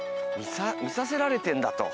見させられてんだと。